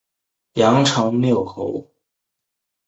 阳城缪侯。